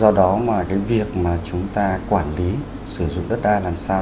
do đó ngoài cái việc mà chúng ta quản lý sử dụng đất đai làm sao